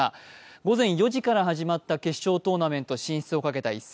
午前４時から始まった決勝トーナメント進出をかけた一戦。